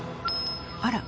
あら？